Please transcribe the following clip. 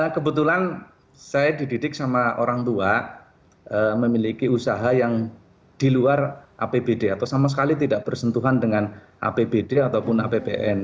kebetulan saya dididik sama orang tua memiliki usaha yang di luar apbd atau sama sekali tidak bersentuhan dengan apbd ataupun apbn